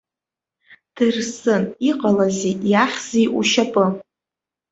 Дырсын, иҟалазеи, иахьзеи ушьапы?